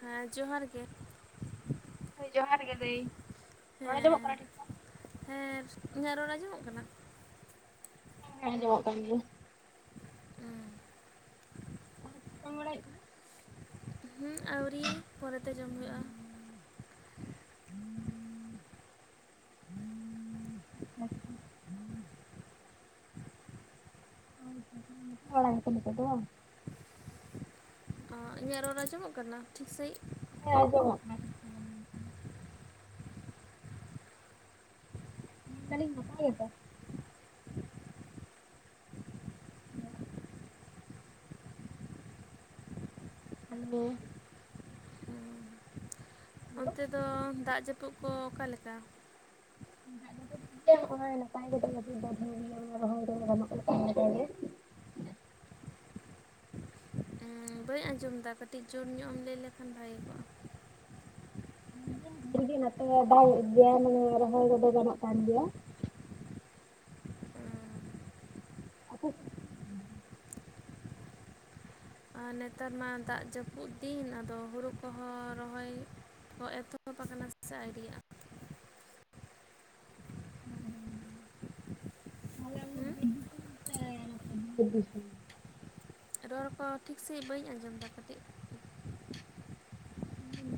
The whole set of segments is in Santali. ᱦᱮᱸ ᱡᱚᱦᱟᱨ ᱜᱮ ᱦᱳᱭ ᱡᱚᱦᱟᱨ ᱜᱮ ᱫᱟᱹᱭ ᱨᱚᱲ ᱟᱡᱚᱢᱚᱜ ᱦᱮᱸ ᱠᱟᱱᱟ ᱴᱷᱤᱠ ᱴᱷᱟᱠ᱾ ᱦᱮᱸ ᱤᱧᱟᱹᱜ ᱨᱚᱲ ᱟᱸᱡᱚᱢᱚᱜ ᱠᱟᱱᱟ᱾ [unintelligible] ᱟᱸᱡᱚᱢᱚᱜ ᱠᱟᱱ ᱜᱮᱭᱟ᱾ ᱦᱩᱸ ᱚ ᱪᱤᱠᱟᱢ ᱵᱟᱲᱟᱭᱮᱫ [unintelligible] ᱦᱩᱸ ᱟᱹᱣᱨᱤ ᱯᱚᱨᱮᱛᱮ ᱡᱚᱢ ᱦᱩᱭᱩᱜ-ᱟ᱾ [inaudible] [inaudible] [unintelligible] ᱱᱟᱯᱟᱭ ᱵᱟᱲᱟ ᱜᱮᱛᱚ ᱱᱤᱛᱚᱜ ᱫᱚ? ᱟᱸ ᱤᱧᱟᱹᱜ ᱨᱚᱲ ᱟᱸᱡᱚᱢᱚᱜ ᱠᱟᱱᱟ ᱴᱷᱤᱠ ᱥᱟᱹᱦᱤᱡ᱾ ᱦᱮᱸ ᱟᱸᱡᱚᱢᱚᱜ ᱠᱟᱱᱟ᱾ ᱢᱮᱱᱫᱟᱞᱤᱧ ᱱᱟᱯᱟᱭ ᱜᱮᱛᱚ? ᱦᱮᱞᱳ ᱦᱮᱞᱳ ᱦᱮᱞᱳ ᱚᱱᱛᱮ ᱫᱚ ᱫᱟᱜ ᱡᱟᱹᱯᱩᱫ ᱠᱚ ᱚᱠᱟ ᱞᱮᱠᱟ? ᱫᱟᱜ ᱡᱟᱹᱯᱤᱫ ᱦᱚᱜ ᱚᱭ ᱱᱟᱯᱟᱭ ᱜᱮ ᱰᱷᱮᱨ ᱨᱚᱦᱚᱭ [unintelligible] ᱮᱸ ᱵᱟᱹᱧ ᱟᱸᱡᱚᱢ ᱮᱫᱟ ᱠᱟᱹᱴᱤᱡ ᱡᱳᱨ ᱧᱚᱜ ᱮᱢ ᱞᱟᱹᱭ ᱞᱮᱠᱷᱟᱱ ᱵᱷᱟᱜᱮ ᱠᱚᱜ-ᱟ᱾ ᱢᱮᱱ ᱫᱤᱧ ᱰᱷᱮᱨ ᱜᱮ ᱱᱚᱛᱮ ᱫᱟᱜ ᱮᱫ ᱜᱮᱭᱟ ᱢᱟᱱᱮ ᱨᱚᱦᱚᱭ ᱠᱚᱫᱚ ᱜᱟᱱᱚᱜ ᱠᱟᱱ ᱜᱮᱭᱟ᱾ ᱟᱪᱪᱷᱟ ᱟᱨ ᱱᱮᱛᱟᱨ ᱢᱟ ᱫᱟᱜ ᱡᱟᱹᱯᱩᱫ ᱫᱤᱱ ᱟᱫᱚ ᱦᱩᱲᱩ ᱠᱚᱦᱚᱸ ᱨᱚᱦᱚᱭ ᱦᱚᱸ ᱮᱛᱚᱦᱚᱵ ᱟᱠᱟᱱᱟ ᱥᱮ ᱟᱹᱣᱨᱤᱭᱟᱜ-ᱟ? [unintelligible] ᱟᱯᱮ ᱫᱚ ᱦᱩᱸ ᱵᱤᱨ ᱫᱤᱥᱟᱹᱢ ᱥᱮ ᱟᱯᱮ ᱵᱤᱞᱚᱛ ᱫᱤᱥᱟᱹᱢ? ᱨᱚᱲ ᱠᱚ ᱴᱷᱤᱠ ᱥᱟᱹᱦᱤᱡ ᱵᱟᱹᱧ ᱟᱸᱡᱚᱢ ᱮᱫᱟ ᱠᱟᱹᱴᱤᱡ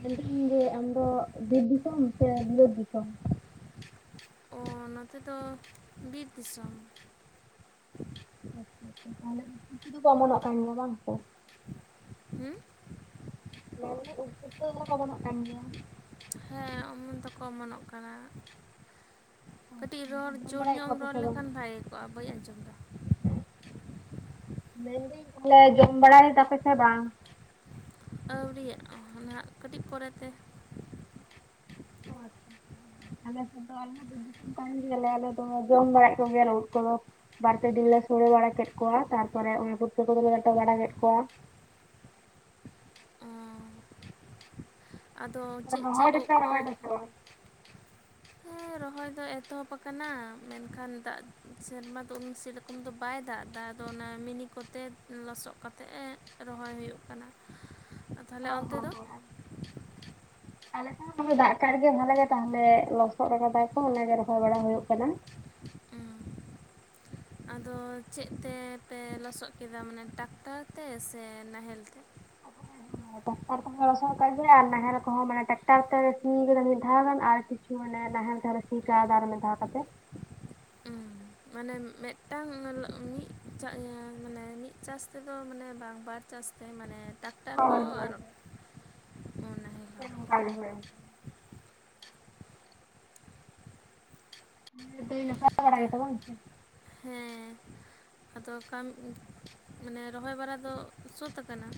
ᱢᱮᱱᱫᱟᱹᱧ ᱡᱮ ᱟᱢᱫᱚ ᱵᱤᱨ ᱫᱤᱥᱚᱢ ᱥᱮ ᱵᱤᱞᱚᱛ ᱫᱤᱥᱚᱢ? ᱚ ᱱᱚᱛᱮ ᱫᱚ ᱵᱤᱨ ᱫᱤᱥᱚᱢ᱾ ᱟᱪᱪᱷᱟ ᱟᱪᱪᱷᱟ ᱛᱟᱦᱚᱞᱮ ᱠᱤᱪᱷᱩ ᱚᱢᱚᱱᱚᱜ ᱠᱟᱱ ᱜᱮᱭᱟ ᱵᱟᱝ ᱥᱮ? ᱦᱩᱸ ᱢᱮᱱ ᱫᱟᱹᱧ ᱩᱫ ᱯᱩᱴᱠᱟᱹ [unintelligible] ᱚᱢᱚᱱᱚᱜ ᱠᱟᱱ ᱜᱮᱭᱟ᱾ ᱦᱮᱸ ᱚᱢᱚᱱ ᱫᱚᱠᱚ ᱚᱢᱚᱱᱚᱜ ᱠᱟᱱᱟ᱾ ᱠᱟᱹᱴᱤᱡ ᱟᱪᱪᱷᱟ ᱨᱚᱲ ᱡᱚᱢ ᱡᱳᱨ ᱵᱟᱲᱟᱭᱮᱫ ᱧᱚᱜ ᱠᱚᱣᱟ ᱮᱢ ᱯᱮ ᱨᱚᱲ ᱥᱮ ᱵᱟᱝ? ᱞᱮᱠᱷᱟᱱ ᱵᱷᱟᱜᱮ ᱠᱚᱜ-ᱟ ᱵᱟᱹᱧ ᱟᱸᱡᱚᱢ ᱮᱫᱟ᱾ ᱢᱮᱱᱫᱟᱹᱧ ᱵᱚᱞᱮ ᱡᱚᱢ ᱵᱟᱲᱟ ᱮᱫᱟᱯᱮ ᱥᱮ ᱵᱟᱝ? ᱟᱹᱣᱨᱤᱭᱟᱜ-ᱟ ᱚᱱᱮ ᱦᱟᱜ ᱠᱟᱹᱴᱤᱡ ᱯᱚᱨᱮᱛᱮ᱾ ᱚ ᱟᱪᱪᱷᱟ ᱟᱞᱮᱥᱮᱫ ᱫᱚ ᱟᱨᱦᱚᱸ ᱵᱤᱨ ᱫᱤᱥᱚᱢ ᱠᱟᱱ ᱜᱮᱭᱟᱞᱮ ᱟᱞᱮ ᱫᱚ ᱡᱚᱢ ᱵᱟᱲᱟᱭᱮᱫ ᱠᱚ ᱜᱮᱭᱟ ᱞᱮ ᱩᱫ ᱠᱚᱫᱚ᱾ ᱵᱟᱨ ᱯᱮ ᱫᱤᱱ ᱞᱮ ᱥᱳᱲᱮ ᱵᱟᱲᱟ ᱠᱮᱫ ᱠᱚᱣᱟ ᱛᱟᱨᱯᱚᱨᱮ ᱚᱱ ᱠᱚᱫᱚ ᱞᱮ ᱞᱮᱴᱚ ᱵᱟᱲᱟᱭᱮᱫ ᱠᱚᱣᱟ᱾ ᱚᱸ ᱟᱫᱚ ᱪᱮᱫ ᱨᱚᱦᱚᱭ ᱪᱮᱫ ᱩᱵ ᱫᱟᱯᱮ ᱠᱚ? ᱨᱚᱦᱚᱭ ᱫᱟᱯᱮ ᱵᱟᱝ? ᱦᱮᱸ ᱨᱚᱦᱚᱭ ᱫᱚ ᱮᱛᱚᱦᱚᱵ ᱟᱠᱟᱱᱟ ᱢᱮᱱᱠᱷᱟᱱ ᱫᱟᱜ ᱥᱮᱨᱢᱟ ᱫᱚ ᱩᱱ ᱥᱮᱞᱮᱫ ᱠᱷᱚᱱ ᱫᱚ ᱵᱟᱭ ᱫᱟᱜᱫᱟ ᱟᱫᱚ ᱚᱱᱟ ᱢᱤᱱᱤ ᱠᱚᱛᱮ ᱞᱚᱥᱚᱜ ᱠᱟᱛᱮ ᱮ ᱨᱚᱦᱚᱭ ᱦᱩᱭᱩᱜ ᱠᱟᱱᱟ᱾ ᱟ ᱛᱟᱦᱞᱮ ᱚᱱᱛᱮ ᱫᱚ? ᱟᱞᱮ ᱥᱮᱜ ᱫᱚᱢᱮ ᱫᱟᱜ ᱠᱟᱜ ᱜᱮ ᱵᱷᱟᱞᱮ ᱜᱮ ᱛᱟᱦᱞᱮ ᱞᱚᱥᱚᱫ ᱠᱟᱫᱟᱭ ᱛᱚ ᱚᱱᱟᱜᱮ ᱨᱚᱦᱚᱭ ᱵᱟᱲᱟ ᱦᱩᱭᱩᱜ ᱠᱟᱱᱟ᱾ ᱟᱫᱚ ᱪᱮᱜ ᱛᱮᱯᱮ ᱞᱚᱥᱚᱜ ᱠᱮᱫᱟ ᱢᱟᱱᱮ ᱴᱟᱠᱴᱟᱨ ᱛᱮ ᱥᱮ ᱱᱟᱦᱮᱞ ᱛᱮ? ᱦᱮᱸᱛᱚ ᱟᱨ ᱛᱮᱦᱚᱸ ᱞᱚᱥᱚᱜ ᱠᱟᱜ ᱜᱮᱭᱟ ᱟᱨ ᱱᱟᱦᱮᱞ ᱠᱚᱦᱚᱸ ᱢᱟᱱᱮ ᱴᱮᱠᱴᱟᱨ ᱥᱤ ᱠᱟᱫᱟ ᱢᱤᱫ ᱫᱷᱟᱣ ᱜᱟᱱ ᱟᱨ ᱠᱤᱪᱷ ᱢᱟᱱᱮ ᱱᱟᱦᱮᱞ ᱛᱮᱦᱚᱸ ᱞᱮ ᱥᱤ ᱠᱟᱣᱫᱟ ᱟᱨ ᱢᱤᱫᱫᱷᱟᱣ ᱠᱟᱛᱮᱜ᱾ ᱩᱸ ᱢᱟᱱᱮ ᱢᱤᱫᱴᱟᱝ ᱢᱮᱞᱚᱜ ᱢᱤᱜ ᱪᱟᱜ ᱮᱸ ᱢᱟᱱᱮ ᱢᱤᱜ ᱪᱟᱥ ᱛᱮᱫᱚ ᱢᱟᱱᱮ ᱵᱟᱝ ᱵᱟᱨ ᱪᱟᱥᱛᱮ ᱢᱟᱱᱮ ᱴᱟᱠᱴᱟᱨ ᱦᱳᱭ ᱦᱚᱸ ᱦᱳᱭ ᱟᱨ ᱱᱟᱦᱮᱞ ᱦᱚᱸ [unintelligible] ᱦᱳᱭ ᱱᱟᱯᱟ ᱛᱷᱟ ᱦᱮᱸ᱾ ᱟᱫᱚ ᱚᱠᱟᱹᱢ ᱢᱟᱱᱮ ᱨᱚᱦᱚᱭ ᱵᱟᱨᱟ ᱫᱚ ᱥᱟᱹᱛ ᱟᱠᱟᱱᱟ᱾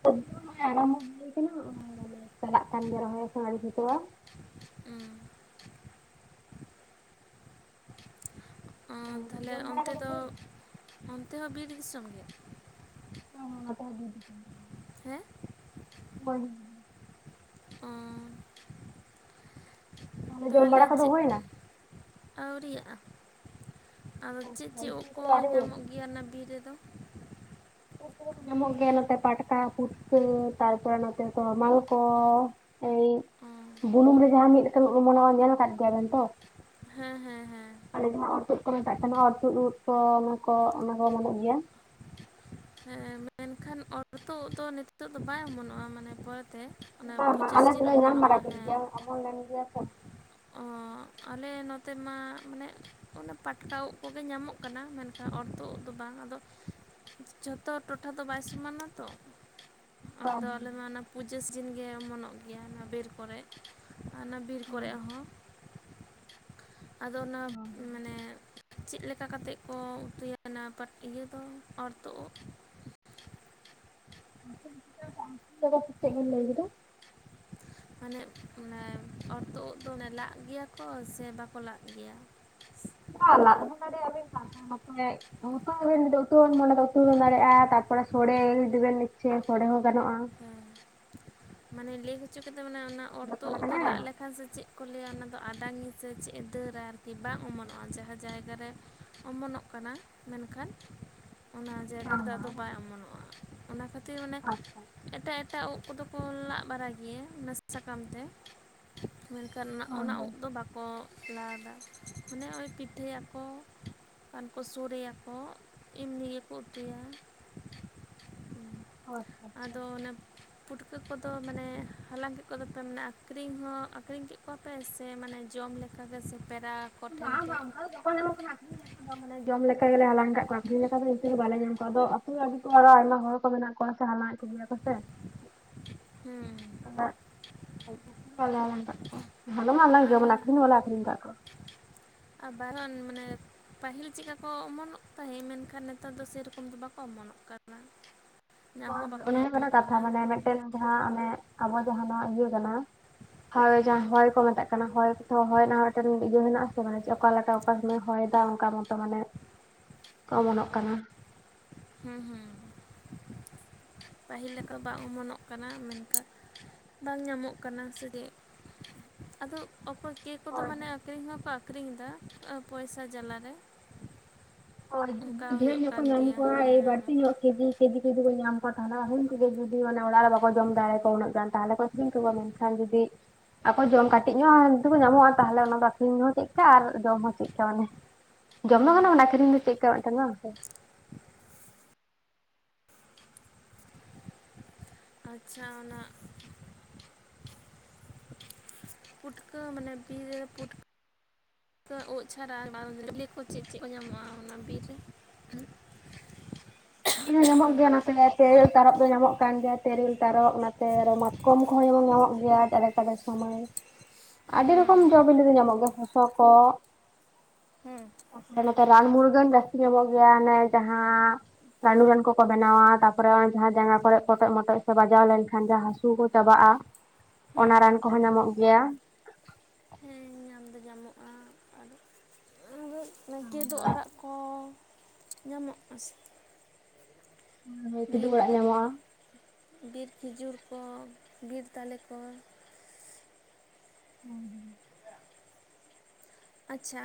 [inaudible] ᱠᱟᱱᱟ ᱟᱨ ᱪᱟᱞᱟᱜ ᱠᱟᱱ ᱜᱮᱭᱟ ᱨᱚᱦᱚᱭ ᱮᱠᱷᱚᱱᱚ ᱟᱣᱨᱤ ᱥᱟᱹᱛᱚᱜᱼᱟ᱾ ᱩᱸ ᱟᱨ ᱚᱸ ᱛᱟᱦᱞᱮ ᱡᱚᱢ ᱵᱟᱲᱟ ᱚᱱᱛᱮ ᱠᱚᱫᱚ ᱫᱚ ᱦᱩᱭᱱᱟ? ᱚᱱᱛᱮ ᱦᱚᱸ ᱵᱤᱨ ᱫᱤᱥᱚᱢ ᱜᱮ? ᱦᱮᱸ [unintelligible] ᱚ ᱛᱟᱦᱚᱞᱮ ᱡᱚᱢ ᱛᱟᱦᱞᱮ ᱵᱟᱲᱟ ᱠᱚᱫᱚ ᱪᱮᱜ ᱦᱩᱭᱱᱟ? ᱟᱹᱣᱨᱟᱜᱼᱟ ᱟᱫᱚ ᱪᱮᱜ ᱟᱪᱪᱷᱟ ᱪᱮᱜ ᱩᱜ ᱤᱥᱤᱱ ᱠᱚ ᱠᱚᱫᱚ ᱟᱹᱣᱨᱤ ᱦᱩᱭᱩᱜ ᱧᱟᱢᱚᱜ ᱜᱮᱭᱟ ᱚᱱᱟ ᱵᱤᱨ ᱨᱮᱫᱚ? ᱩᱜ ᱠᱚᱫᱚ ᱠᱚ ᱧᱟᱢᱚᱜ ᱜᱮᱭᱟ ᱱᱚᱛᱮ ᱯᱟᱴᱠᱟ ᱯᱩᱴᱠᱟᱹ ᱛᱟᱨᱯᱚᱨᱮ ᱱᱚᱛᱮ ᱫᱚ ᱢᱟᱞᱠᱚ᱾ ᱮᱭ ᱚ ᱵᱩᱱᱩᱢ ᱨᱮ ᱡᱟᱦᱟᱸ ᱢᱤᱫ ᱞᱮᱠᱟᱱᱟᱜ ᱚᱢᱚᱱᱚᱜᱼᱟ ᱧᱮᱞ ᱠᱟᱫ ᱜᱮᱭᱟᱵᱮᱱ ᱛᱚ? ᱦᱮᱸ ᱦᱮᱸ ᱦᱮᱸ ᱟᱞᱮ ᱡᱟᱦᱟᱸ ᱚᱨ ᱛᱩᱫ ᱠᱚ ᱢᱮᱛᱟᱜ ᱠᱟᱱᱟ ᱚᱨ ᱛᱩᱫ ᱩᱫᱽ ᱠᱚ ᱚᱱᱟ ᱠᱚ ᱚᱱᱟ ᱠᱚ ᱚᱢᱚᱱᱚᱜ ᱜᱮᱭᱟ᱾ ᱦᱮᱸ ᱢᱮᱱᱠᱷᱟᱱ ᱚᱨ ᱛᱩᱜ ᱫᱚ ᱱᱤᱛᱚᱜ ᱫᱚ ᱵᱟᱭ ᱚᱢᱚᱱᱚᱜᱼᱟ ᱢᱟᱱᱮ ᱯᱚᱨᱮ ᱛᱮ ᱵᱟᱝ ᱵᱟᱝ ᱟᱞᱮ ᱥᱮᱱ ᱦᱚᱸ ᱧᱟᱢ ᱵᱟᱲᱟ ᱠᱮᱜ ᱜᱮᱭᱟ ᱚᱢᱚᱱ ᱞᱮᱱ ᱜᱮᱭᱟ ᱛᱚ᱾ ᱚ ᱟᱞᱮ ᱱᱚᱛᱮ ᱢᱟ ᱢᱟᱱᱮ ᱚᱱᱮ ᱯᱟᱴᱠᱟ ᱩᱜ ᱠᱚᱜᱮ ᱧᱟᱢᱚᱜ ᱠᱟᱱᱟ ᱢᱮᱱᱠᱷᱟᱱ ᱚᱨ ᱛᱩᱜ ᱫᱚ ᱵᱟᱝ ᱟᱫᱚ ᱡᱷᱚᱛᱚ ᱴᱚᱴᱷᱟ ᱫᱚ ᱵᱟᱭ ᱥᱚᱢᱟᱱᱟ ᱛᱚ, ᱟᱫᱚ ᱵᱟᱝ ᱟᱞᱮ ᱢᱟ ᱚᱱᱟ ᱯᱩᱡᱟᱹ ᱥᱤᱡᱤᱱ ᱜᱮ ᱚᱢᱚᱱᱚᱜ ᱜᱮᱭᱟ ᱚᱱᱟ ᱵᱤᱨ ᱠᱚᱨᱮᱜ ᱟᱨ ᱚᱱᱟ ᱵᱤᱨ ᱠᱚᱨᱮᱜ ᱦᱚᱸ᱾ [inaudible] ᱟᱫᱚ ᱚᱱᱟ ᱪᱮᱫ ᱢᱟᱱᱮ ᱪᱮᱜ ᱞᱮᱠᱟ ᱠᱟᱛᱮᱜ ᱠᱚ ᱩᱛᱩᱭᱟ ᱚᱱᱟ ᱯᱟᱴ ᱤᱭᱟᱹ ᱫᱚ ᱚᱨ ᱛᱩᱜ ᱩᱜ? [inaudible] ᱪᱮᱜ ᱵᱮᱱ ᱞᱟᱹᱭ ᱠᱮᱫᱟ? ᱢᱟᱱᱮ ᱱᱮ ᱚᱨ ᱛᱩᱜ ᱩᱜ ᱫᱚ ᱚᱱᱮ ᱞᱟᱜ ᱜᱮᱭᱟ ᱠᱚ ᱥᱮ ᱵᱟᱠᱚ ᱞᱟᱜ ᱜᱮᱭᱟ? ᱵᱟᱝ ᱞᱟᱜ ᱦᱚᱸ ᱫᱟᱲᱮᱜᱼᱟᱵᱤᱱ ᱛᱟᱨᱯᱚᱨ ᱱᱚᱛᱮ [unintelligible] ᱛᱟᱨᱯᱚᱨᱮ ᱥᱚᱲᱮ ᱡᱩᱫᱤ ᱵᱮᱱ ᱤᱪᱪᱷᱟᱹᱭᱟ ᱥᱚᱲᱮ ᱦᱚᱸ ᱜᱟᱱᱚᱜᱼᱟ᱾ ᱦᱮᱸ ᱢᱟᱱᱮ ᱞᱟᱹᱭ ᱦᱚᱪᱚ ᱠᱮᱫᱟ ᱢᱟᱱᱮ ᱚᱱᱟ ᱚᱨ ᱡᱚᱛᱚ ᱛᱩᱜ ᱫᱚ ᱞᱮᱠᱟᱱᱟᱜ ᱞᱟᱜ ᱜᱟᱱᱚᱜᱼᱟ ᱞᱮᱠᱷᱟᱱ ᱥᱮ ᱪᱮᱜ ᱠᱚ ᱞᱟᱹᱭᱟ ᱚᱱᱟ ᱫᱚ ᱟᱰᱟᱱᱤ ᱥᱮ ᱪᱮᱜ ᱫᱟᱹᱨ ᱟᱨᱠᱤ ᱵᱟᱝ ᱚᱢᱚᱱᱚᱜᱼᱟ ᱡᱟᱦᱟᱸ ᱡᱟᱭᱜᱟ ᱨᱮ ᱚᱢᱚᱱᱚᱜ ᱠᱟᱱᱟ ᱢᱮᱱᱠᱷᱟᱱ ᱚᱱᱟ ᱡᱟᱭᱜᱟ ᱨᱮᱫᱚ ᱟᱫᱚ ᱵᱟᱝ ᱵᱟᱝ ᱵᱟᱭ ᱚᱢᱚᱱᱚᱜᱼᱟ, ᱚᱱᱟ ᱠᱷᱟᱹᱛᱤᱨ ᱢᱟᱱᱮ ᱟᱪᱪᱷᱟ ᱮᱴᱟᱜ ᱮᱴᱟᱜ ᱩᱜ ᱠᱚᱫᱚ ᱠᱚ ᱞᱟᱜ ᱵᱟᱨᱟᱭ ᱜᱮᱭᱟ ᱱᱟᱥᱮ ᱥᱟᱠᱟᱢ ᱛᱮ᱾ ᱢᱮᱱᱠᱷᱟᱱ ᱚᱱᱟ ᱦᱳᱭ ᱚᱱᱟ ᱩᱜ ᱦᱳᱭ ᱫᱚ ᱵᱟᱠᱚ ᱞᱟᱫᱟ ᱢᱟᱱᱮ ᱳᱭ ᱯᱤᱴᱷᱟᱹᱭᱟᱠᱚ ᱠᱷᱟᱱ ᱠᱚ ᱥᱚᱲᱮᱭᱟᱠᱚ᱾ ᱮᱢᱱᱤ ᱜᱮᱠᱚ ᱩᱛᱩᱤᱭᱟ᱾ ᱦᱳᱭ᱾ ᱟᱫᱚ ᱚᱱᱟ ᱯᱩᱴᱠᱟᱹ ᱠᱚᱫᱚ ᱢᱟᱱᱮ ᱦᱟᱞᱟᱝ ᱠᱮᱫ ᱠᱚᱫᱚ ᱯᱮ ᱢᱟᱱᱮ ᱟᱹᱠᱷᱨᱤᱧ ᱦᱚᱸ ᱟᱹᱠᱷᱨᱤᱧ ᱠᱮᱫ ᱠᱚᱣᱟ ᱯᱮ ᱥᱮ ᱢᱟᱱᱮ ᱡᱚᱢ ᱞᱮ ᱠᱟ ᱜᱮ ᱥᱮ ᱯᱮᱨᱟ ᱵᱟᱝ ᱵᱟᱝ ᱚᱝᱠᱟ ᱫᱚ ᱵᱟᱠᱚ ᱧᱟᱢᱚᱜ ᱠᱟᱱᱟ ᱟᱠᱷᱨᱤᱧ ᱞᱮᱠᱟ ᱫᱚ ᱢᱟᱱᱮ ᱡᱚᱢ ᱞᱮᱠᱟ ᱜᱮᱞᱮ ᱦᱟᱞᱟᱝ ᱠᱟᱜ ᱠᱚᱣᱟ ᱟᱹᱠᱷᱨᱤᱧ ᱞᱮᱠᱟ ᱫᱚ ᱤᱱᱠᱟᱹ ᱫᱚ ᱵᱟᱞᱮ ᱧᱟᱢ ᱠᱚᱣᱟ ᱟᱫᱚ ᱟᱹᱛᱩ ᱨᱮ ᱟᱰᱤ ᱚᱠᱚᱡ ᱟᱨᱚ ᱟᱭᱢᱟ ᱦᱚᱲ ᱠᱚ ᱢᱮᱱᱟᱜ ᱠᱚᱣᱟ ᱥᱮ ᱦᱟᱞᱟᱝ-ᱮᱫ ᱠᱚᱜᱮ ᱭᱟ ᱠᱚ ᱥᱮ᱾ ᱦᱩᱸ᱾ [inaudible] ᱟᱠᱠᱷᱨᱤᱧ ᱫᱚ ᱟᱨ ᱵᱟᱞᱮ ᱟᱠᱠᱷᱨᱤᱧ ᱠᱟᱜ ᱠᱚᱣᱟ᱾ ᱟᱨ [inaudible] ᱢᱟᱱᱮ ᱯᱟᱹᱦᱤᱞ ᱪᱮᱫᱠᱟ ᱠᱚ ᱚᱢᱚᱱᱚᱜ ᱛᱟᱦᱮᱸᱫ ᱢᱮᱱᱠᱷᱟᱱ ᱱᱮᱛᱟᱨ ᱫᱚ ᱥᱮᱨᱚᱠᱚᱢ ᱫᱚ ᱵᱟᱠᱚ ᱚᱢᱚᱱᱚᱜ ᱠᱟᱱᱟ᱾ ᱧᱟᱢ ᱦᱚᱸ [inaudible] ᱵᱟᱠᱚ ᱚᱱᱟ ᱦᱩᱭᱩᱜ ᱠᱟᱱᱟ ᱧᱟᱢᱚᱜ ᱠᱟᱛᱷᱟ ᱢᱟᱱᱮ ᱢᱤᱫᱴᱮᱱ ᱡᱟᱦᱟᱸ ᱚᱱᱮ ᱟᱵᱚ ᱡᱟᱦᱟᱸ ᱱᱚᱭᱟ ᱤᱭᱟᱹ ᱠᱟᱱᱟ ᱦᱳᱭ ᱡᱟᱦᱟᱸ ᱦᱩᱸ ᱦᱚᱭ ᱠᱚ ᱢᱮᱛᱟᱜ ᱠᱟᱱᱟ ᱦᱚᱭ ᱠᱚ ᱛᱷᱚ ᱦᱚᱭ ᱨᱮᱱᱟᱜ ᱦᱚᱸ ᱢᱤᱫᱴᱮᱱ ᱤᱭᱟᱹ ᱢᱮᱱᱟᱜ-ᱟ ᱥᱮ ᱢᱟᱱᱮ ᱪᱮᱫ ᱚᱠᱟᱞᱮᱠᱟ ᱚᱠᱟ ᱥᱚᱢᱚᱭ ᱦᱚᱭᱮᱫᱟ ᱚᱱᱠᱟ ᱢᱚᱛᱚ ᱢᱟᱱᱮ ᱠᱚ ᱚᱢᱚᱱᱚᱜ ᱠᱟᱱᱟ᱾ ᱦᱩᱸ ᱦᱩᱸ ᱯᱟᱹᱦᱤᱞ ᱞᱮᱠᱟ ᱵᱟᱝ ᱚᱢᱚᱱᱚᱜ ᱠᱟᱱᱟ ᱢᱮᱱᱠᱷᱟᱱ ᱵᱟᱝ ᱧᱟᱢᱚᱜ ᱠᱟᱱᱟ ᱥᱮ [inaudible] ᱟᱫᱚ ᱚᱠᱚᱭ ᱠᱮᱣ ᱠᱚᱫᱚ ᱦᱳᱭ ᱢᱟᱱᱮ ᱟᱠᱷᱨᱤᱧ ᱦᱚᱸᱠᱚ ᱟᱠᱷᱨᱤᱧ ᱮᱫᱟ ᱮᱸ ᱯᱚᱭᱥᱟ ᱡᱟᱞᱟ ᱨᱮ, ᱦᱳᱭ ᱡᱩᱫᱤ ᱰᱷᱮᱨ ᱦᱩᱭᱩᱜ ᱧᱠᱚ ᱠᱚ ᱠᱟᱱ ᱧᱟᱢ ᱜᱮᱭᱟ ᱠᱚᱭᱟ ᱮᱭ ᱦᱮᱸ ᱵᱟᱲᱛᱤ ᱧᱚᱜ ᱠᱮᱡᱤ ᱠᱮᱡᱤ ᱛᱮ ᱡᱩᱫᱤ ᱠᱚ ᱧᱟᱢ ᱠᱚᱣᱟ ᱛᱟᱦᱚᱞᱮ ᱟᱨᱦᱚ ᱩᱱᱠᱩ ᱜᱮ ᱡᱩᱫᱤ ᱢᱟᱱᱮ ᱚᱲᱟᱜ ᱨᱮ ᱵᱟᱠᱚ ᱡᱚᱢ ᱫᱟᱲᱮᱭᱼᱫᱟ ᱩᱱᱟᱹᱜ ᱜᱟᱱ ᱛᱟᱦᱚᱞᱮ ᱠᱚ ᱟᱠᱷᱨᱤᱧ ᱠᱚᱣᱟ ᱢᱮᱱᱠᱷᱟᱱ ᱡᱩᱫᱤ ᱟᱠᱚ ᱡᱚᱢ ᱠᱟᱹᱴᱤᱡ ᱧᱚᱜ ᱡᱩᱫᱤ ᱠᱚ ᱧᱟᱢᱚᱜᱼᱟ ᱛᱟᱦᱚᱞᱮ ᱚᱱᱟ ᱫᱚ ᱟᱠᱷᱨᱤᱧ ᱦᱚᱸ ᱪᱮᱫᱠᱟ ᱟᱨ ᱡᱚᱢ ᱦᱚᱸ ᱪᱮᱫᱠᱟ ᱢᱟᱱᱮ᱾ ᱡᱚᱢ ᱫᱚ ᱜᱟᱱᱚᱜ-ᱟ ᱚᱱᱟ ᱟᱹᱠᱷᱨᱤᱧ ᱫᱚ ᱪᱮᱫᱠᱟ ᱢᱤᱫᱴᱮᱱ ᱵᱟᱝ ᱥᱮ᱾ ᱟᱪᱪᱷᱟ ᱚᱱᱟ ᱯᱩᱴᱠᱟᱹ ᱢᱟᱱᱮ ᱵᱤᱨ ᱨᱮ ᱯᱩᱴ ᱠᱟᱹ ᱩᱫᱽ ᱪᱷᱟᱲᱟ [inaudible] ᱠᱚ ᱪᱮᱫ ᱪᱮᱫ ᱠᱚ ᱧᱟᱢᱚᱜ-ᱟ ᱚᱱᱟ ᱵᱤᱨ ᱨᱮ ᱦᱩᱸ? ᱵᱤᱨ ᱨᱮ ᱧᱟᱢᱚᱜ ᱜᱮᱭᱟ ᱱᱚᱛᱮ ᱛᱮᱨᱮᱞ ᱛᱟᱨᱚᱵ ᱫᱚ ᱧᱟᱢᱚᱜ ᱠᱟᱱ ᱜᱮᱭᱟ, ᱛᱮᱨᱮᱞ ᱛᱟᱨᱚᱵ ᱱᱟᱛᱮ ᱨᱮ ᱢᱟᱛᱠᱚᱢ ᱠᱚᱦᱚᱸ ᱡᱮᱢᱚᱱ ᱧᱟᱢᱚᱜ ᱜᱮᱭᱟ ᱟᱫᱮᱠ ᱟᱫᱮᱠ ᱚᱢᱚᱭ᱾ ᱟᱹᱰᱤ ᱨᱚᱠᱚᱢ ᱡᱚ ᱵᱤᱞᱤ ᱫᱚ ᱧᱟᱢᱚᱜ ᱜᱮᱭᱟ ᱥᱚᱥᱚ ᱠᱚ ᱦᱩᱸ᱾ ᱛᱟᱯᱚᱨᱮ ᱱᱚᱛᱮ ᱨᱟᱱ ᱢᱩᱨᱜᱟᱹᱱ ᱡᱟᱥᱛᱤ ᱧᱟᱢᱚᱜ ᱜᱮᱭᱟ ᱚᱱᱮ ᱡᱟᱦᱟᱸ ᱨᱟᱱᱩ ᱨᱟᱱ ᱠᱚᱠᱚ ᱵᱮᱱᱟᱣᱟ ᱛᱟᱯᱚᱨᱮ ᱦᱚᱸᱜᱼᱚᱭ ᱡᱟᱦᱟ ᱡᱟᱸᱜᱟ ᱠᱚᱨᱮ ᱯᱚᱴᱮᱡ ᱢᱚᱴᱚᱡ ᱥᱮ ᱵᱟᱡᱟᱣ ᱞᱮᱱᱠᱷᱟᱱ ᱡᱟᱦᱟᱸ ᱦᱟᱹᱥᱩ ᱠᱚ ᱪᱟᱵᱟᱜᱼᱟ᱾ ᱚᱱᱟ ᱦᱮᱸ ᱨᱟᱱ ᱠᱚᱦᱚᱸ ᱧᱟᱢᱚᱜ ᱜᱮᱭᱟ᱾ ᱟᱫᱚ ᱧᱟᱢᱚᱜᱼᱟ ᱟᱨ ᱚᱱᱮ ᱠᱮᱫᱳᱵ ᱟᱲᱟᱜ ᱠᱚ ᱧᱟᱢᱚᱜᱼᱟ ᱥᱮ? ᱵᱤᱨ, ᱠᱤᱫᱩᱵ ᱚᱲᱟᱜ ᱧᱟᱢᱚᱜᱼᱟ ᱵᱤᱨ ᱠᱷᱤᱡᱩᱨ ᱠᱚ ᱵᱤᱨ ᱛᱟᱞᱮ ᱠᱚ, ᱦᱳᱭ ᱦᱳᱭ᱾ [inaudible] ᱟᱪᱪᱷᱟ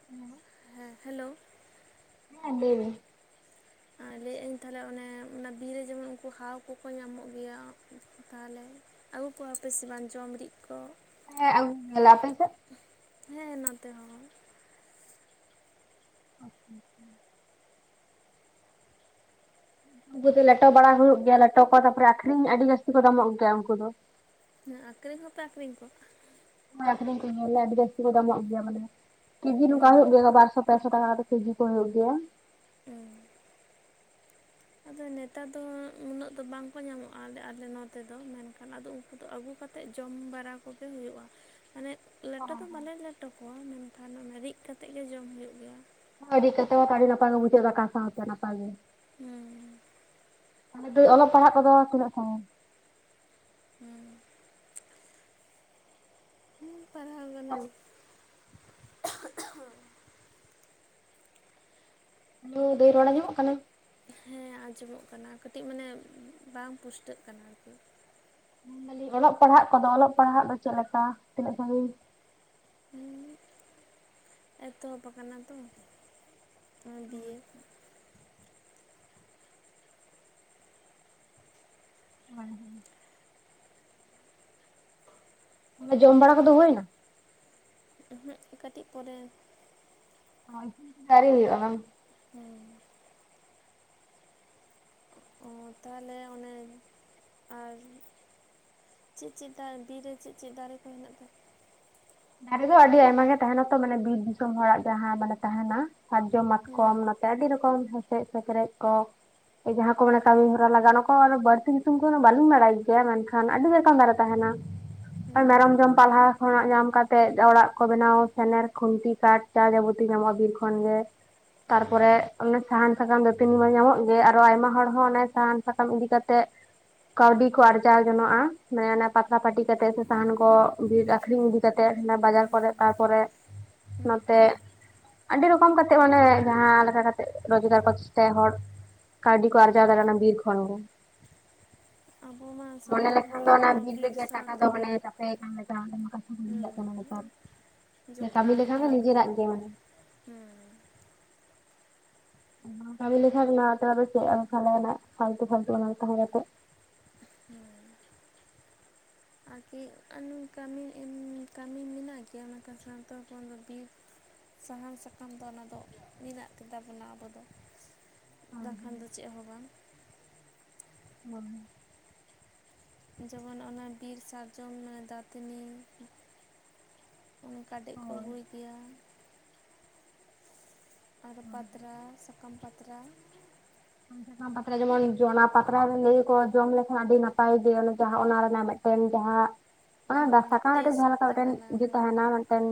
[inaudible] ᱦᱮᱸ ᱦᱮᱞᱳ᱾ ᱦᱮᱸ ᱞᱟᱹᱭ ᱵᱤᱱ᱾ ᱟ ᱞᱟᱹᱭ ᱟᱹᱧ ᱛᱟᱦᱞᱮ ᱚᱱᱮ ᱚᱱᱟ ᱵᱤᱨ ᱨᱮ ᱡᱮᱢᱚᱱ ᱩᱱᱠᱩ ᱦᱟᱣ ᱠᱚᱠᱚ ᱧᱟᱢᱚᱜ ᱜᱮᱭᱟ ᱛᱟᱦᱟᱞᱮ, ᱟᱜᱩ ᱠᱚᱣᱟ ᱯᱮ ᱥᱮ ᱵᱟᱝ ᱡᱚᱢ ᱨᱤᱫ ᱠᱚ? ᱦᱮᱸ ᱟᱜᱩ ᱠᱚ [inaudible] ᱟᱯᱮ ᱥᱮᱜ? ᱦᱮᱸ ᱱᱚᱛᱮ ᱦᱚᱸ, [unintelligible] ᱩᱱᱠᱩ ᱫᱚ ᱞᱮᱴᱚ ᱵᱟᱲᱟ ᱦᱩᱭᱩᱜ ᱜᱮᱭᱟ ᱞᱮᱴᱚ ᱠᱚ ᱛᱟᱨᱯᱚᱨᱮ ᱟᱠᱷᱨᱤᱧ ᱟᱰᱤ ᱡᱟᱥᱛᱤ ᱠᱚ ᱫᱟᱢᱚᱜ ᱜᱮᱭᱟ ᱩᱱᱠᱩ ᱫᱚ ᱾ ᱦᱮᱸ ᱟᱠᱠᱷᱨᱤᱧ ᱦᱚᱸᱯᱮ ᱟᱹᱷᱨᱤᱧ ᱠᱚᱣᱟ᱾ [inaudible] ᱯᱮᱥᱚ ᱦᱩᱸ ᱴᱟᱠᱟ ᱠᱟᱛᱮᱜ ᱠᱮᱡᱤ ᱠᱚ ᱦᱳᱭᱳᱜ ᱜᱮᱭᱟ᱾ [unintelligible] ᱟᱫᱚ ᱱᱮᱛᱟᱨ ᱫᱚ ᱩᱱᱟᱹᱜ ᱫᱚ ᱵᱟᱝᱠᱚ ᱧᱟᱢᱚᱜ-ᱟ ᱟᱞᱮ ᱟᱞᱮ ᱱᱚᱛᱮ ᱫᱚ ᱢᱮᱱᱠᱷᱟᱱ ᱟᱫᱚ ᱟᱫᱚ ᱟᱹᱜᱩ ᱠᱟᱛᱮᱜ ᱡᱚᱢ ᱵᱟᱲᱟ ᱠᱚᱜᱮ ᱦᱩᱭᱩᱜ-ᱟ, ᱢᱟᱱᱮ ᱞᱮᱴᱚ ᱫᱚ ᱵᱟᱞᱮ ᱞᱮᱴᱚ ᱠᱚᱣᱟ ᱢᱮᱱᱠᱷᱟᱱ ᱚᱱᱟ ᱨᱤᱜ ᱠᱟᱛᱮᱜ ᱜᱮ ᱡᱚᱢ ᱦᱳᱭᱳᱜ ᱜᱮᱭᱟ ᱾ [inaudible] ᱦᱩᱸ ᱛᱟᱦᱚᱞᱮ ᱫᱚ ᱚᱞᱚᱜ ᱯᱟᱲᱦᱟᱜ ᱠᱚᱫᱚ ᱛᱤᱱᱟᱹᱜ ᱥᱟᱹᱜᱤᱧ? ᱦᱩᱸ [inaudible] ᱦᱮᱞᱳ ᱫᱟᱹᱭ ᱨᱚᱲ ᱟᱡᱚᱢᱚᱜ ᱠᱟᱱᱟ? ᱦᱮ ᱟᱸᱡᱚᱢᱚᱜ ᱠᱟᱱᱟ ᱠᱟᱹᱴᱤᱡ ᱢᱟᱱᱮ ᱵᱟᱝ ᱯᱩᱥᱴᱟᱹᱜ ᱠᱟᱱᱟ ᱟᱨᱠᱤ ᱾ ᱢᱮᱱ ᱫᱟᱞᱤᱧ ᱚᱞᱚᱜ ᱯᱟᱲᱦᱟᱜ ᱠᱚᱫᱚ ᱚᱞᱚᱜ ᱯᱟᱲᱦᱟᱜ ᱫᱚ ᱪᱮᱫ ᱞᱮᱠᱟ ᱛᱤᱱᱟᱹᱜ ᱥᱟᱹᱜᱤᱧ? ᱦᱩᱸ ᱮᱛᱚᱦᱚᱵ ᱟᱠᱟᱱᱟ ᱛᱚ ᱱᱚᱭ ᱫᱤᱭᱮ ᱦᱳᱭ ᱦᱳᱭ᱾ ᱟᱫᱚ ᱡᱚᱢ ᱵᱟᱲᱟ ᱠᱚᱫᱚ ᱦᱩᱭᱮᱱᱟ? [inaudible] ᱠᱟᱹᱴᱤᱡ ᱯᱚᱨᱮ᱾ [inaudible] ᱦᱩᱸ ᱚ ᱛᱟᱦᱚᱞᱮ ᱚᱱᱮ ᱟᱨ ᱪᱮᱫ ᱪᱮᱫ ᱫᱟᱨᱮ ᱵᱤᱨ ᱨᱮ ᱪᱮᱫ ᱪᱮᱫ ᱫᱟᱨᱮ ᱠᱚ ᱦᱮᱱᱟᱜ ᱛᱟ ᱫᱟᱨᱮ ᱫᱚ ᱟᱹᱰᱤ ᱟᱭᱢᱟ ᱜᱮ ᱛᱟᱦᱮᱱᱟ ᱛᱚ ᱢᱟᱱᱮ ᱵᱤᱨ ᱫᱤᱥᱚᱢ ᱦᱚᱲᱟᱜ ᱡᱟᱦᱟᱸ ᱢᱟᱱᱮ ᱛᱟᱦᱮᱱᱟ, ᱥᱟᱨᱡᱚᱢ ᱢᱟᱛᱠᱚᱢ ᱦᱩᱸ ᱱᱚᱛᱮ ᱟᱹᱰᱤ ᱨᱚᱠᱚᱢ ᱦᱮᱸᱥᱮᱡ ᱥᱮᱠᱽᱨᱮᱡ ᱠᱚ, ᱡᱟᱦᱟᱸ ᱠᱚ ᱢᱟᱱᱮ ᱦᱩᱸ ᱠᱟᱹᱢᱤ ᱦᱚᱨᱟ ᱞᱟᱜᱟᱜ-ᱟ ᱚᱱᱟ ᱠᱚ ᱵᱟᱹᱲᱛᱤ ᱧᱩᱛᱩᱢ ᱠᱚ ᱫᱚ ᱵᱟᱞᱤᱧ ᱵᱟᱲᱟᱭ ᱜᱮᱭᱟ ᱢᱮᱱᱠᱷᱟᱱ ᱟᱹᱰᱤ ᱞᱮᱠᱟᱱ ᱫᱟᱨᱮ ᱛᱟᱦᱮᱱᱟ ᱟᱨ ᱦᱩᱸ ᱢᱮᱨᱚᱢ ᱡᱚᱢ ᱯᱟᱞᱦᱟ ᱠᱷᱚᱱᱟᱜ ᱧᱟᱢ ᱠᱟᱛᱮ ᱛᱮᱫ ᱚᱲᱟᱜ ᱠᱚ ᱵᱮᱱᱟᱣ ᱥᱮᱱᱮᱨ ᱠᱷᱩᱱᱴᱤ ᱠᱟᱴ ᱡᱟ ᱡᱟᱵᱚᱛᱤᱭ ᱧᱟᱢᱚᱜ-ᱟ ᱵᱤᱨ ᱠᱷᱚᱱ ᱜᱮ᱾ ᱛᱟᱨᱯᱚᱨᱮ ᱚᱱᱮ ᱥᱟᱦᱟᱱ ᱥᱟᱠᱟᱢ ᱫᱟᱹᱛᱟᱹᱱᱤ ᱢᱟ ᱧᱟᱢᱚᱜ ᱜᱮ ᱟᱨᱚ ᱟᱭᱢᱟ ᱦᱚᱲ ᱦᱚᱸ ᱚᱱᱮ ᱥᱟᱦᱟᱱ ᱥᱟᱠᱟᱢ ᱤᱫᱤ ᱠᱟᱛᱮᱜ ᱠᱟᱹᱣᱰᱤ ᱠᱚ ᱟᱨᱡᱟᱣ ᱡᱚᱱᱚᱜ-ᱟ ᱢᱟᱱᱮ ᱚᱱᱮ ᱯᱟᱛᱲᱟ ᱯᱟᱹᱴᱤ ᱠᱟᱛᱮᱜ ᱥᱮ ᱥᱟᱦᱟᱱ ᱠᱚ ᱵᱤᱨ ᱟᱠᱷᱨᱤᱧ ᱤᱫᱤ ᱠᱟᱛᱮ ᱛᱮᱫ ᱦᱟᱱᱮ ᱵᱟᱡᱟᱨ ᱠᱚᱨᱮ ᱦᱩᱸ ᱛᱟᱨᱯᱚᱨᱮ ᱦᱩᱸ ᱱᱚᱛᱮ ᱦᱩᱸ, ᱟᱹᱰᱤ ᱨᱚᱠᱚᱢ ᱠᱟᱛᱮᱜ ᱢᱟᱱᱮ ᱡᱟᱦᱟᱸ ᱞᱮᱠᱟ ᱠᱟᱛᱮᱜ ᱨᱳᱡᱽᱜᱟᱨ ᱠᱚ ᱪᱮᱥᱴᱟᱭᱟ ᱦᱚᱲ, ᱠᱟᱹᱣᱰᱤ ᱠᱚ ᱟᱨᱡᱟ ᱫᱟᱲᱮᱜ-ᱟ ᱦᱮᱸ ᱚᱱᱟ ᱵᱤᱨ ᱠᱷᱟᱱ ᱜᱮ᱾ ᱟᱵᱚ ᱢᱟ ᱢᱚᱱᱮ ᱥᱟᱱᱛᱟᱲ ᱞᱮᱠᱷᱟᱱ ᱫᱚ ᱦᱚᱯᱚᱱ ᱚᱱᱟ ᱵᱤᱨ ᱨᱮᱜᱮ ᱥᱟᱶ ᱴᱟᱠᱟ ᱫᱚ ᱛᱮᱜᱮ ᱢᱟᱱᱮ ᱪᱟᱯᱮ ᱠᱟᱱ ᱦᱩᱸ ᱞᱮᱠᱟ [inaudible] ᱠᱟᱹᱢᱤ ᱞᱮᱠᱷᱟᱱ ᱫᱚ ᱱᱤᱡᱮᱨᱟᱜ ᱜᱮ ᱢᱟᱱᱮ, ᱦᱩᱸᱻ ᱵᱟᱢ ᱠᱟᱹᱢᱤ ᱞᱮᱠᱷᱟᱱ ᱫᱚ ᱪᱮᱫ [unintelligible] ᱦᱩᱸᱻ ᱟᱨᱠᱤ ᱟᱹ ᱠᱟᱹᱢᱤ ᱠᱟᱹᱢᱤ ᱢᱮᱱᱟᱜ ᱜᱮᱭᱟ ᱢᱮᱱᱠᱷᱟᱱ ᱥᱟᱱᱛᱟᱲ ᱠᱚ ᱫᱚ ᱵᱤᱨ ᱥᱟᱦᱟᱱ ᱥᱟᱠᱟᱢ ᱫᱚ ᱚᱱᱟ ᱫᱚ ᱢᱮᱱᱟᱜ ᱜᱮ ᱛᱟᱵᱚᱱᱟ ᱟᱵᱚ ᱫᱚ᱾ ᱦᱳᱭ ᱫᱟᱜ ᱠᱷᱟᱱ ᱫᱚ ᱪᱮᱜ ᱦᱚᱸ ᱵᱟᱝ ᱾ ᱦᱚᱸ, ᱡᱮᱢᱚᱱ ᱚᱱᱟ ᱵᱤᱨ ᱥᱟᱨᱡᱚᱢ ᱫᱟᱹᱛᱱᱤ ᱩᱱ ᱠᱟᱰᱮᱡ ᱠᱚ ᱦᱳᱭ ᱟᱜᱩᱭ ᱜᱮᱭᱟ ᱾ ᱟᱨ ᱯᱟᱛᱨᱟ ᱥᱟᱠᱟᱢ ᱯᱟᱛᱨᱟ ᱾ [inaudible] ᱯᱟᱛᱲᱟ ᱡᱮᱢᱚᱱ ᱚᱱᱟ ᱯᱟᱛᱲᱟ ᱨᱮ ᱞᱟᱹᱭᱟ ᱠᱚ ᱡᱚᱢ ᱞᱮᱠᱷᱟᱱ ᱟᱹᱰᱤ ᱱᱟᱯᱟᱭ ᱜᱮ, ᱡᱟᱦᱟᱸ ᱚᱱᱟ ᱨᱮᱱᱟᱜ ᱢᱤᱫᱴᱮᱱ ᱡᱟᱦᱟᱸ ᱚᱱᱟ ᱫᱟᱸ ᱦᱮᱸ ᱥᱟᱠᱟᱢ ᱢᱮᱜᱴᱮᱡ ᱴᱮᱥᱴ ᱡᱟᱦᱟᱸ ᱞᱮᱠᱟ ᱢᱤᱜᱴᱮᱱ ᱛᱟᱦᱮᱱᱟ ᱤᱡᱟ. ᱦᱮᱸ ᱛᱟᱦᱮᱱᱟ,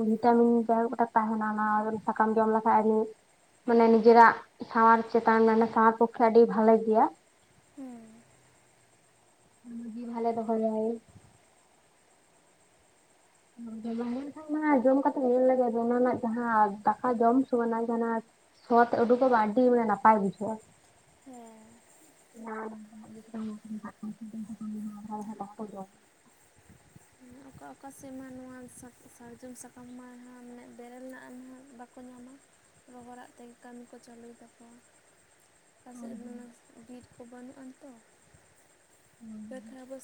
ᱵᱷᱤᱴᱟᱢᱤᱱ ᱡᱟᱭᱦᱚᱠ ᱢᱮᱜᱴᱟᱱ ᱛᱟᱦᱮᱱᱟ ᱚᱱᱟ ᱥᱟᱠᱟᱢ ᱡᱚᱢ ᱞᱮᱠᱷᱟᱡ ᱟᱰᱤ ᱢᱟᱱᱮ ᱱᱤᱡᱮᱨᱟᱜ ᱥᱟᱶᱟᱨ ᱪᱮᱛᱟᱱ, ᱢᱟᱱᱮ ᱥᱟᱶᱟᱨ ᱯᱚᱠᱠᱷᱮ ᱟᱹᱰᱤ ᱵᱷᱟᱞᱮ ᱜᱮᱭᱟ ᱾ ᱦᱩᱸ, ᱵᱷᱟᱞᱮ ᱫᱚᱦᱚ ᱭᱟᱭ ᱾ [unintelligible] ᱢᱟ ᱡᱚᱢ ᱠᱟᱛᱮ ᱧᱮᱞ ᱞᱮᱜᱮ ᱚᱱᱟ ᱨᱮᱱᱟᱜ ᱡᱟᱦᱟᱸ ᱫᱟᱠᱟ ᱡᱚᱢ ᱥᱚᱢᱚᱭ ᱡᱟᱦᱟ ᱥᱚ ᱛᱮᱜ ᱩᱰᱩᱠᱚᱜ ᱢᱟ ᱟᱹᱰᱤ ᱢᱟᱱᱮ ᱱᱟᱯᱟᱭ ᱵᱩᱡᱷᱟᱹᱜᱼᱟ ᱾ ᱦᱮᱸ, [unintelligible] ᱚᱠᱟ ᱚᱠᱟ ᱥᱮᱨᱢᱟ ᱱᱚᱣᱟ ᱥᱟᱠ ᱥᱟᱨᱡᱚᱢ ᱥᱟᱠᱟᱢ [unintelligible] ᱵᱮᱨᱮᱞ ᱨᱮᱱᱟᱜ [unintelligible] ᱵᱟᱠᱚ ᱧᱟᱢᱟ ᱾ ᱨᱚᱦᱚᱲᱟᱜ ᱛᱮᱜᱮ ᱠᱟᱹᱢᱤ ᱠᱚ ᱪᱟᱹᱞᱩᱭ ᱛᱟᱠᱚᱣᱼᱟ ᱾ ᱚᱠᱟ ᱥᱮᱫ ᱨᱮ ᱵᱤᱨ ᱠᱚ ᱵᱟᱹᱱᱩᱜ ᱟᱱ ᱛᱚ, ᱵᱟᱠᱷᱟᱨᱟ [unintelligible] [unintelligible]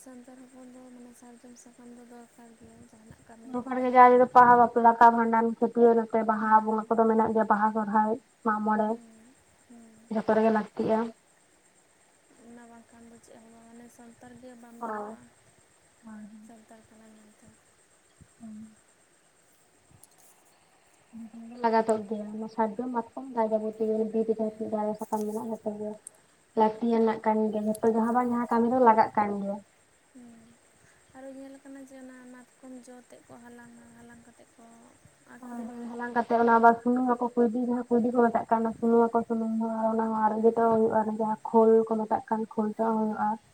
ᱦᱚᱯᱚᱱ ᱫᱚ ᱢᱟᱱᱮ ᱥᱟᱨᱡᱚᱢ ᱥᱟᱠᱟᱢ ᱫᱚᱨᱠᱟᱨ ᱜᱮᱭᱟ᱾ ᱡᱟᱦᱟᱱᱟᱜ ᱠᱟᱹᱢᱤ ᱨᱮᱜᱮ [unintelligible] ᱫᱟᱠᱟ ᱵᱷᱟᱸᱰᱟᱱ ᱠᱚ, ᱯᱤᱭᱟᱹᱨ ᱱᱚᱛᱮ ᱵᱟᱦᱟ ᱦᱩᱸ ᱵᱚᱸᱜᱟ ᱠᱚᱫᱚ ᱢᱮᱱᱟᱜ ᱜᱮᱭᱟ ᱵᱟᱦᱟ, ᱥᱚᱨᱚᱦᱟᱭ, ᱢᱟᱜ ᱢᱚᱬᱮ, ᱦᱮᱸ ᱦᱮᱸ ᱡᱷᱚᱛᱚ ᱨᱮᱜᱮ ᱞᱟᱹᱠ ᱠᱮᱜᱼᱟ, ᱚᱱᱟ ᱵᱟᱝᱠᱷᱟᱱ ᱫᱚ ᱪᱮᱫ ᱦᱚᱸ ᱦᱟᱱᱮ ᱥᱚᱨ ᱱᱮᱛᱟᱨ ᱜᱮ ᱵᱟᱝ ᱦᱳᱭ ᱞᱟᱹᱭᱚᱜᱼᱟ ᱥᱟᱱᱛᱟᱲ ᱠᱟᱱᱟᱭ ᱾ ᱦᱩᱸ, [inaudible] ᱞᱟᱜᱟᱛᱚᱜ ᱜᱮᱭᱟ ᱥᱟᱨᱡᱚᱢ ᱢᱟᱛᱠᱚᱢ ᱡᱟᱼᱡᱟᱵᱚᱛᱤ ᱜᱮ ᱵᱤᱨ ᱨᱮ ᱡᱟ ᱡᱟ ᱥᱟᱠᱟᱢ ᱢᱮᱱᱟᱜᱼᱟ ᱡᱚᱛᱚ ᱜᱮ ᱾ ᱞᱟᱹᱠᱛᱤᱭᱟᱱᱟᱜ ᱠᱟᱹᱢᱤ ᱜᱮ, ᱡᱷᱚᱛᱚ ᱡᱟᱦᱟᱸ ᱵᱟᱝ ᱡᱟᱦᱟᱸ ᱠᱟᱹᱢᱤ ᱫᱚ ᱞᱟᱜᱟᱜ ᱠᱟᱱ ᱜᱮᱭᱟ ᱾ ᱦᱮᱸ ᱟᱨᱚ ᱧᱮᱞ ᱟᱠᱟᱱᱟ ᱡᱮ ᱚᱱᱟ ᱢᱟᱛᱠᱚᱢ ᱡᱚ ᱛᱮᱫ ᱠᱚ ᱦᱟᱞᱟᱝᱼᱟ᱾ ᱦᱟᱞᱟᱝ ᱠᱟᱛᱮᱜ ᱠᱚ ᱦᱳᱭ ᱟᱠᱷᱨᱤᱧᱟ ᱦᱳᱭ ᱾ ᱦᱟᱞᱟᱝ ᱠᱟᱛᱮ ᱚᱱᱟ ᱟᱵᱟᱨ ᱥᱩᱱᱩᱢ ᱟᱠᱚ ᱠᱩᱭᱰᱤ ᱡᱟᱦᱟᱸ ᱠᱩᱭᱰᱤ ᱠᱚ ᱢᱮᱛᱟᱜ ᱠᱟᱱ ᱥᱩᱱᱩᱢ ᱟᱠᱚ ᱥᱩᱱᱩᱢ ᱦᱚᱸ᱾ ᱟᱨ ᱚᱱᱟ ᱦᱚᱸ ᱟᱨ ᱡᱚᱛᱚ ᱦᱮᱸ ᱦᱩᱭᱩᱜᱼᱟ᱾ ᱟᱨ ᱡᱟᱦᱟᱸ ᱠᱷᱳᱞ ᱠᱚ ᱢᱮᱛᱟᱜ ᱠᱟᱱ, ᱠᱷᱳᱞ ᱛᱮᱦᱚ ᱦᱩᱭᱩᱜᱼᱟ ᱾